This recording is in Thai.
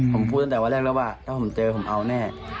ผมพูดตั้งแต่วันแรกแล้วว่าถ้าผมเจอผมเอาแน่